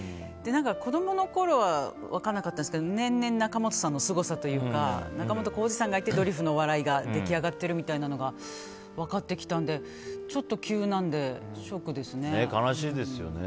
子供のころは分からなかったんですけど年々、仲本さんのすごさというか仲本工事さんがいてドリフのお笑いが出来上がってるみたいなのが分かってきたのでちょっと急なので悲しいですよね。